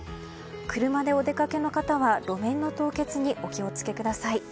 車でお出かけの方は路面の凍結にお気をつけください。